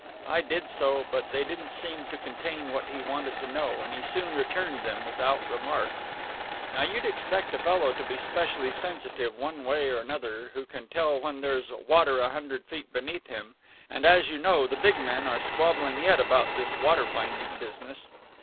I did so, but they didn't seem to contain what he wanted to know, and he soon returned them, without remark. Now you'd expect a fellow to be specially sensitive, one way or another, who can tell when there's water a hundred feet beneath him; and as you know, the big men are squabbling yet about this water finding business.